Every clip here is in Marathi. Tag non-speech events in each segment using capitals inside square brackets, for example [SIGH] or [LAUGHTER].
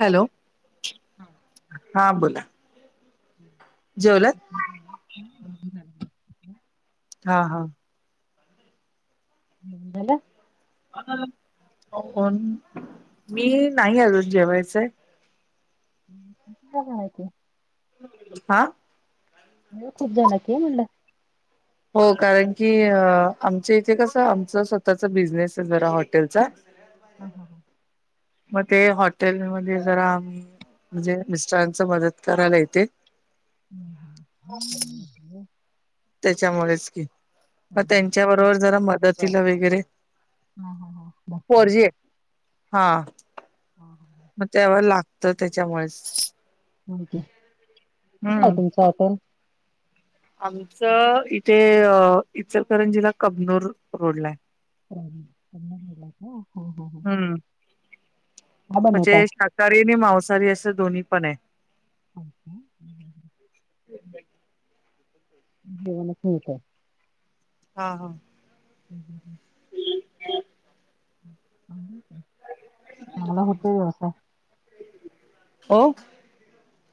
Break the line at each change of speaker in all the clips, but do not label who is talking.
हॅलो
हा.
हा बोला. जेवलात?
नाही.
हा हा.
बला.
ण मी नाही अजून जेवायचं.
ते [UNINTELLIGIBLE]
हा.
वेळ खूप झाला की म्हणलं.
हो कारण की आमच्या इथे कसं आमच स्वतःचा बिझनेस आहे जरा हॉटेलचा. [UNINTELLIGIBLE]
हा ह हा.
मग ते हॉटेलमध्ये जरा आम्ही म्हणजे मिस्टरांच मदत करायला येते.
हम् हम ह्
त्याच्यामुळेच कि मग त्यांच्या बरोबर जरा मदतीला वगैरे.
हा हा हा बर.
पोरजी आहे हा मग त्यावर लागतं त्याच्यामुळेच.
के कुठं आहे
हम्म
तुमचं हॉटेल.
आमचं इथे इचलकरंजीला कबनूर रोडला आहे.
प्रॉमिस ला का हो हो हो.
हम्म म्हणजे शाकाहारी आणि मांसाहारी असं दोन्ही पण आहे.
[UNINTELLIGIBLE] जेवायला काय हुतं
हा हा
हुं हुं हू. चांगला होतोय व्यवसाय.
हो.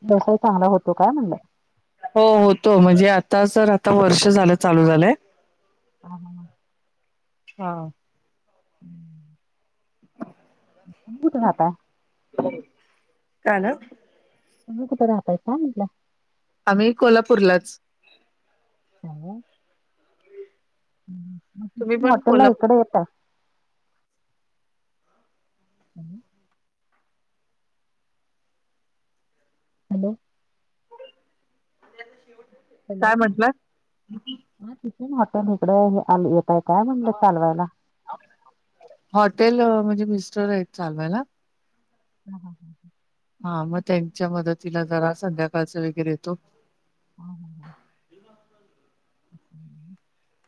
व्यवसाय चांगला होतो काय म्हणलं?
हो होतो म्हणजे आता तर आता वर्ष झालं चालू झालंय.
हा ह हा.
हा.
हम्म.
[UNINTELLIGIBLE]
तुम्ही कुठं राहताय?
का ना.
तुम्ही कुठं राहातायसा म्हटलं.
आम्ही कोल्हापूरलाच.
[UNINTELLIGIBLE] हुं हुं मग
तुम्ही
तिथून
पण
हॉटेलला
कोल्हापूर
इकडे येता. हॅलो! हॅलो!
काय म्हंटला?
मग तिथून हॉटेल इकडं आ येतय काय म्हणलं चालवायला.
हॉटेल म्हणजे मिस्टर आहेत चालवायला.
हा हा हा ह.
हा मग त्यांच्या मदतीला जरा संध्याकाळच वगैरे येतो.
हा हो हो.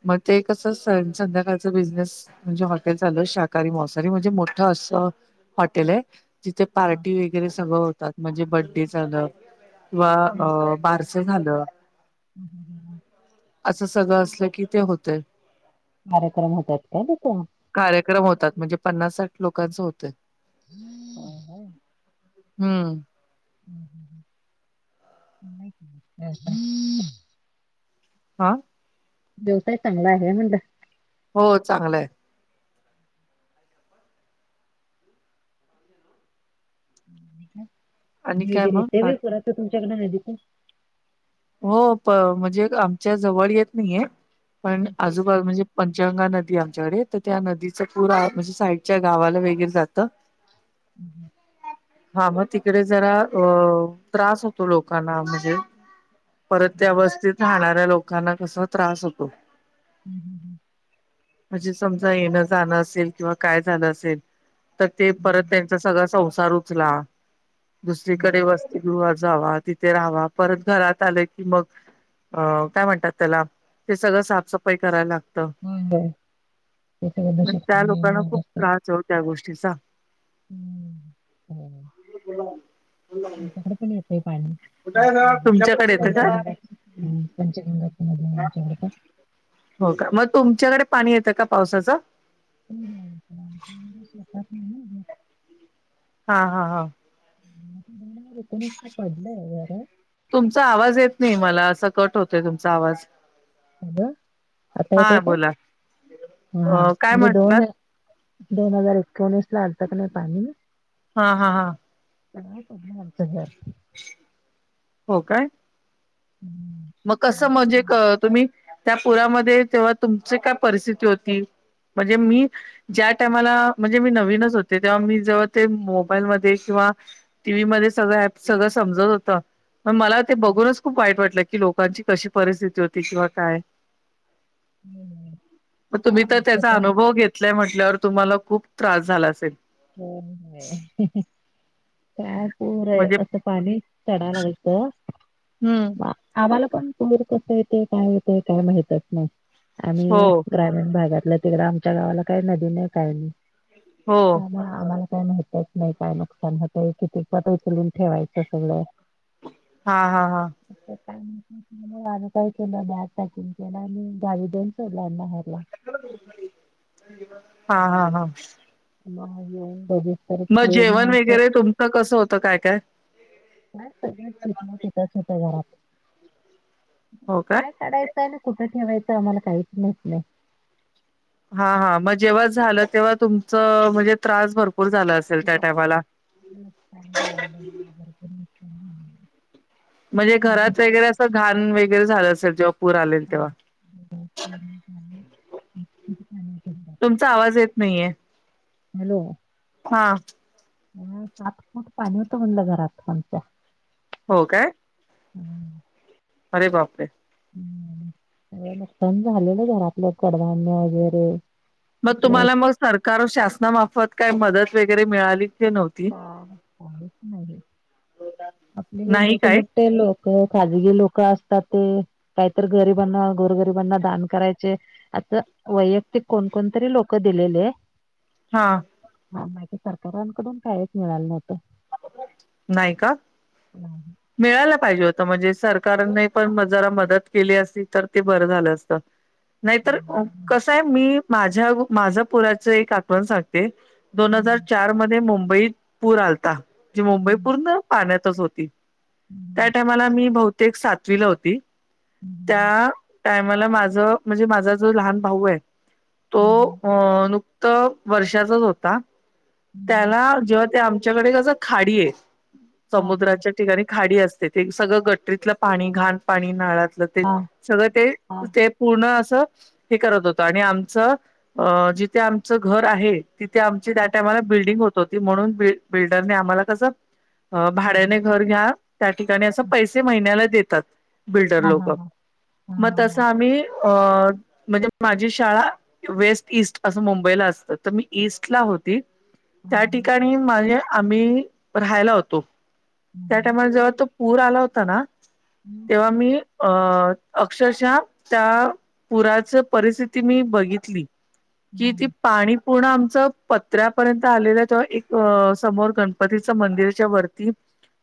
मग ते कसं अस संध्याकाळचा बिझनेस. म्हणजे हॉटेल चालू आहे शाकाहारी- मासांहारी म्हणजे मोठं असं हॉटेल आहे. तिथे
हा हा
पार्टी वगैरे सगळं होतात म्हणजे बड्डे झालं किंवा बारसं. असं झालं.
ह हं हं.
असं सगळं असलं की ते होतेय.
कार्यक्रम होतात काय तिथं.
कार्यक्रम होतात म्हणजे पन्नास साठ लोकांचं होतय.
होय होय.
हा.
हा हा [UNINTELLIGIBLE]
हा
देवसाय चांगला आहे म्हणड.
हो चांगलं आहे.
होय काय
आणि
पाणी
काय
वगैरे
मग
येतय व्हय
बाकी?
पुराच तुमच्याकडं नदीचं.
हो म्हणजे आमच्या जवळ येत नाहीे पण आजू वर म्हणजे पंचगंगा नदी आमच्याकडे तर त्या नदीच पूर म्हणजे साईडच्या गावाला वगैरे जातं. [UNINTELLIGIBLE]
हम् हम
हा मग तिकडे जरा अ त्रास होतो लोकांना म्हणजे परत त्यावस्थेत राहणाऱ्या लोकांना कसा त्रास होतो.
हम् हम हम
म्हणजे समजा येणं जाणं असेल किंवा काय झालं असेल. तर ते परत त्यांचा सगळा संसार उचला दुसरीकडे वसतीिगृहात जावा तिथे राहावा परत घरात लं की मग अ काय म्हणतात त्याला ते सगळं साफसफाई कराय लागत.
बय बरय.
मण त्या लोकांना
राहिलं
खूप
असतं
त्रास हो त्या गोष्टीचा
हम्म
हो
कपडे पणेे पायणे.
कुठ तुमच्याकडे येत का?
ह पंचगंगा मध्ये आमच्याकड का?
हो का मग तुमच्याकडे पाणी येतं का पावसाचं
ते
हा हा हा
दोन पडलंय जर
तुमचा आवाज येत नाही मला असं कट होतय तुमचा आवाज
अ आता येतय
हा
का
बोला
हा
अ काय
म्हणजे दोन
म्हटलात
आहे. दोन हजार एकोणीस ला अडचक नाही पानी
हा हा हा
ह प आत हार
हो काय?
हम्म.
मग कसं म्हणजे
बापरे.
तुम्ही त्या पुरामध्ये तेव्हा तुमची काय परिस्थिती होती. म्हणजे मी ज्या टामाला म्हणजे मी नवीनच होते तेव्हा मी जेव्हा ते मोबाईलमध्येध्ये किंवा टी व्ही मध्ये सगळं ऍप सगळं समजत होत मग मला ते बघूनच खूप वाईट वाटलं की लोकांची कशी परिस्थिती होती किंवा काय? मग तुम्ही तर
आमचं
त्याचा
पण
अनुभव घेतलाय म्हटल्यावर तुम्हाला खूप त्रास झाला असेल.
ब काय पूर आहे
म्हणजे
असं. पाणी चढावलागतं.
हम्म
आम्हाला पणर कस येते काय येत काय माहितच नाही
हो
आ गा भागातलं तिकडं आमच्या गावाला काही नदी नाही काही नाही.
हा
त्यामुळे आम्हाला काय माहितच नाही काय नुकसान होतंय किती पट उचलून ठेवायचं सगळं
हा हा हा
आ काहीच ब पॅकिंग ना आणि गाडी देऊन सोला?
हा हा हा
येऊन बजे
मग जेवण वगैरे तुमचं कसं होतं काय काय?
काय सगळण्यास येतच होत घरात काय काडायच. काय ना कुठं ठेवायचं आम्हाला काहीच नाहीस नाही.
हा हा मग जेव्हा झालं तेव्हा तुमचं म्हणजे त्रास भरपूर झाला असेल त्या टायमाला
[UNINTELLIGIBLE]
म्हणजे घरात वगैरे असं घाण वगैरे झालं असेल जेव्हा पूर आलेल तेव्हा
उ उ
तुमचा आवाज येत नाहीये?
हॅलो.
हा
सात फूट पाणी होतं म्हणलं घरात आमच्या
हो काय?
हम्म
अरे बाप रे
हम्मं सगळ नुकतान झालेलं घरातलं कडधान्य वगैरे
मग
आपलं
तुम्हाला मग सरकार शासनामार्फत काय मदत वगैरे मिळाली की नव्हती
काय काहीच नाही आपले हे
नाही काय
मोठ-मोठ ते लोक खाजगी लोक असतात ते काहीतरी गरिबांना गोरगरिबांना दान करायचे. आता वैयक्तिक कोणकोणतरी लोक दिलेले
हा
हा माहिती सरकारांकडून काहीच मिळालं नव्हतं.
नाय का? मिळायला पाहिजे होत म्हणजे सरकारने पण जरा मदत केली असली तर ते बरं झालं असतं. नाहीतर कसं आहे मी माझ्या, -माझ्या पुराचं एक आठवण सांगते. दोन हजार चार मध्ये मुंबईत पूर आलता जी मुंबई पूर्ण पाण्यातच होती त्या टायमाला मी बहुतेक सातवीला होती त्या टायमाला माझ म्हणजे माझा जो लहान भाऊ आहे तो अ नुकता तर वर्षाचाच होता. त्याला जेव्हा ते आमच्याकडे कसं खाडी आहे
हा हा
समुद्राच्या ठिकाणी खाडी असते. ते सगळं गट्टरीतलं पाणी घाण पाणी नाळातलं ते
हा हा हा
सगळं ते
हा
ते पूर्ण असं हे करत होतं आणि आमचं जिथे आमचं घर आहे. तिथे आमची त्या
हम्म.
टायमाला बिल्डिंग होत होती म्हणून बि बिल्डरने आम्हाला कसं भाड्याने
हम्म.
घर घ्या त्या ठिकाणी असं पैसे महिन्याला देतात. बिल्डर
हा हा
लोक
हा हा
मग
हा हा
तसं आम्ही अ म्हणजे माझी शाळा वेस्ट ईस्ट असं मुंबईला असतं तर मी ईस्ट ला होती.
हा
त्या
हा.
ठिकाणी माझे आम्ही राहायला होतो त्या
हम्म,
टायमा जवा तो पूर आला होता ना
हम्म,
तेव्हा मी अ अक्षरशः त्या पुराच परिस्थिती मी बघितली. कि ती
हम्म,
पाणी पूर्ण आमचं प त्र्यापर्यंत आलेल्या तेव्हा एक समोर गणपतीच मंदिराच्या वरती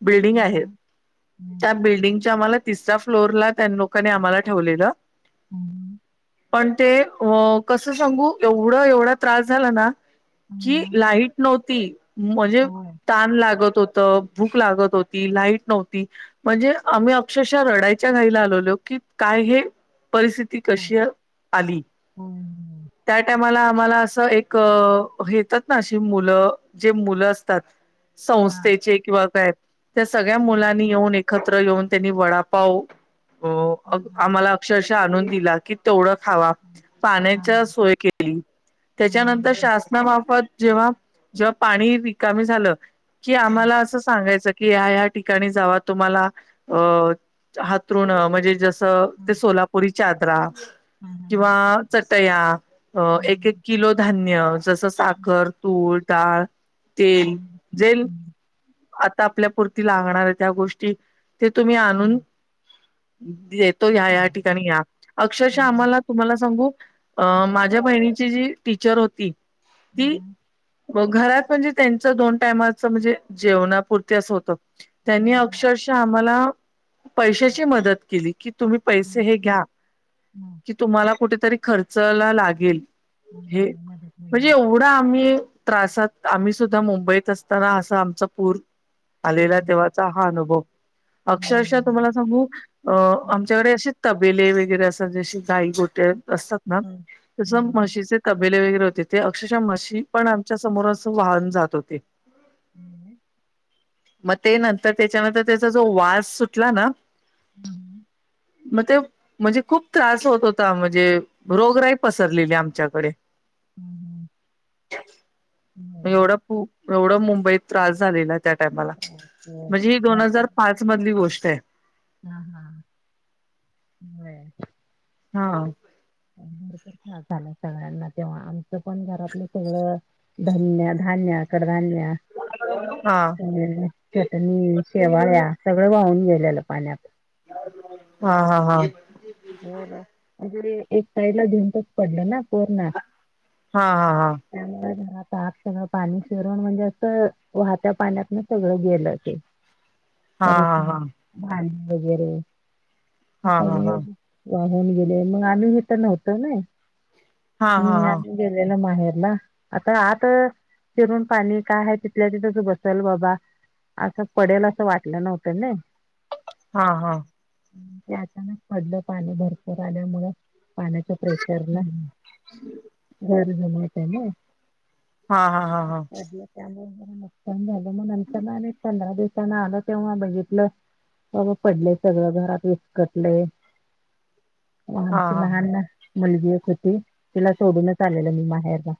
बिल्डिंग आहे
हम्म,
त्या बिल्डिंगच्या आम्हाला तिसरा फ्लोरला त्यां लोकांनी आम्हाला ठेवलेलं
हम्म,
पण ते हो कसं सांगू एवढं-एवढा त्रास झाला ना
हम्म,
कि
हम्म.
लाईट नव्हती म्हणजे
होय
ताण लागत होती. तर भूक लागत होती लाईट नव्हती. म्हणजे आम्ही अक्षरशः रडायच्या घाईला आलोलो की काय हे परिस्तिथी ती
काय?
कशी आली
होय होय.
त्या टायमाला आम्हाला असं एक हे त्यात ना अशी मुलं जे मुलं असतात
हा
संस्थेचे किंवा काय त्या सगळ्या
हम्म,
मुलांनी येऊन एकत्र येऊन त्यांनी वडापाव अ
हा हा
आम्हाला तशा आणून दिला की तेवढं खावा
हा हा हा.
पाण्याच्या सयके त्याच्यानंतर
हम्म,
शासनामार्फत जेव्हा जेव्हा पाणी विकामी झालं कि
हम्म,
आम्हाला असं सांगायच की या या ठिकाणी जावा तुम्हाला अ अथरुन म्हणजे जस ते
हम्म,
सोलापुरी चादरा
हा, हा.
किंवा चटया एक-एक
हम्म,
किलो धान्य जस
हम्म,
कर तूर डाळ, तेल
हम्म,
जेल
हम्म.
आता आपल्यापुरती लागणार आहे त्या गोष्टी ते तुम्ही
हा,
आणून येतो या
हा,
या ठिकाणी या
हा,
अक्षरशः
हा.
आम्हाला तुम्हाला सांगू अ
हम्म,
माझ्या बहिणीची जी टीचर होती ती
हम्म,
घरात म्हणजे त्यांच दोन टाईमाच म्हणजे जेवणापुरती असं होतं त्यांनी
हम्म,
अक्षरशः आम्हाला पैशाची मदत केली की तुम्ही पैसे हे घ्या
हा,
की तुम्हाला कुठेतरी खर्चला लागेल
हा,
हे
हा. मदत
म्हणजे
होईल.
एवढं आम्ही त्रासात आम्ही सुद्धा मुंबईत असताना असा आमचा पूर आलेला
हम्म,
तेव्हाचा हा अनुभव अक्षरशः
बरं.
तुम्हाला सांगू अ
हम्म, हम्म,
आमच्याकडे असे तबेले वगैरे असं जशी गाई गोटे असतात ना
हम्म.
तस
बरोबर.
म्हशीचे तबेले वगैरे होते ते अक्षरशः म्हशी पण आमच्या समोर अस वाहुन जात होती
हम्म,
मग ते नंतर त्याच्यानंतर त्याचा जो वास सुटला ना
हम्म,
[INAUDIBLE] मग ते म्हणजे खूप त्रास होत होता म्हणजे रोगराही पसरलेली आमच्याकडे
हम्म, [INAUDIBLE]
मग एवढा एवढं मुंबईत त्रास झालेला त्या टाईमाला
ओके.
म्हणजे ही दोन हजार पाच मधली गोष्ट आहे
हा हा होय
हा [INAUDIBLE]
झालं सगळ्यांना तेव्हा आमचं पण घरातले सगळं धान्य धान्यकडधान्य
हा
चटणी, शेवाळ्या सगळं वाहून गेलेलं पाण्यात
हा हा हा
हो ना इकडे एक साईडला भिंतच पडलीना पुर्ण
हा हा हा
त्यामुळं घरात आत सगळं पाणी शिरुन म्हणजे असं वाहत्या पाण्यातन सगळं गेलं ते
हा हा
भांडी वगैरे
हा हा
सगळे वाहून गेल्यावर मग आम्ही हिथं नव्हतो नई
हा हा
मी
हा
आणि गेलेलं माहेरला आता आता चिरून पाणी काय आहे तिथल्या तिथेच बसेल बाबा असं पडेल असं वाटलं नव्हतं नई
हा हा
ते अचानक पडलं पाणी भरपूर आल्यामुळं पाण्याच्या प्रेशरला घर जुन होत ना
हा हा हा हा
त्यामुळं मग नुकसान झालं नंतरन आणि पंधरा दिवस त्यांन आलं तेव्हा बघितलं सगळं पडलयं सगळ्या घरात विस्कटलय आमची
हा
लहान मुलगी एक होती तिला सोडूनच आलेलो मी माहेरला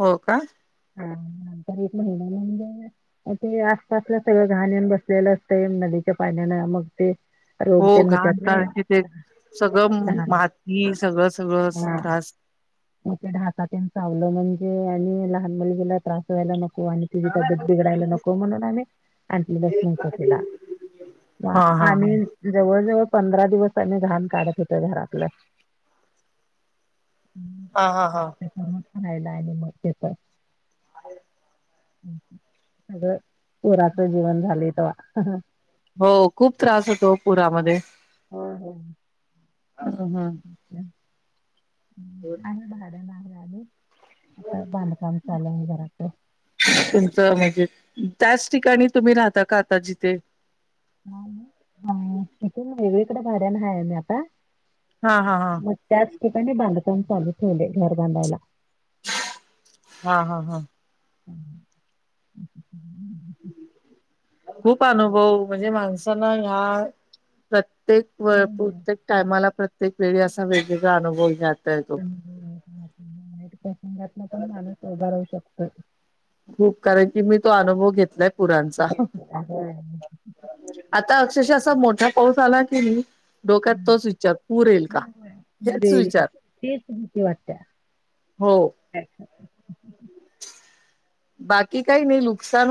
हो का
हा तरी एक महिन्यानंतर ते आसपासला सगळं घाण येऊन बसलेलं असतयं नदीच्या पाण्यान मग ते रोग
हो
तेन होतात
घाण
ना
काढाईची तेच सगळं
घाण
माती सगळं सगळं अस
हां,
त्रास
मग ते ढासातेन चावलं म्हणजे आणि लहान मुलगीला त्रास व्हायला नको आणि तिची तब्येत बिघडायला नको म्हणून आम्ही आणलेलच नव्हतं तिला वा
हा हा
आम्ही जवळ जवळ पंधरा दिवस त्यांनी घाण काढत होत. घरातलं
हा हा हा
ह
हा
समज पण राहिला आणि मग त्याच
ह [UNINTELLIGIBLE]
सगळं पुराच जीवन झाले तव्हा
हो खूप त्रास होतो. पुरामध्ये
होय होय.
हम्म हम्म.
आणि भाड्यान नाही आली. आता बांधकाम चालू आहे जरासं.
तुमचं म्हणजे त्याच ठिकाणी तुम्ही राहता का आता जिथे
ह हा इथून वेगळीकडे भाड्यान आहे आम्ही आता
हा हा हा.
मग त्याच ठिकाणी बांधकाम चालू ठेवले घर बांधायला.
हा हा हा. खूप अनुभव म्हणजे माणसाना ह्या प्रत्येक व
होय होय
प्रत्येक टायमाला प्रत्येक वेळी असा वेगवेगळा अनुभव घेता येतो.
प्रसंगातन पण माणूस उभा राहू शकतो.
खूप कारण की मी तो अनुभव घेतलाय पुरांचा
होय.
आता अक्षरशा असा मोठा पाऊस आला की नाही. डोक्यात
हा.
तोच विचार पूर येईल का.
होय होय.
हेच
रेल का
विचार
तेच
हो.
अच् [UNINTELLIGIBLE]
बाकी काही नाही नुकसान होईल